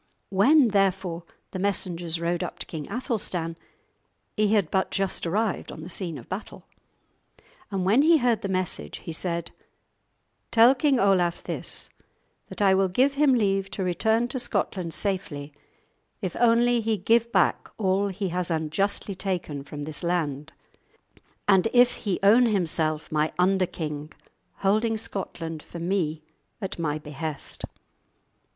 When, therefore, the messengers rode up to King Athelstan, he had but just arrived on the scene of battle. And when he heard the message he said: "Tell King Olaf this, that I will give him leave to return to Scotland safely if only he give back all he has unjustly taken from this land, and if he own himself my under king, holding Scotland for me and at my behest."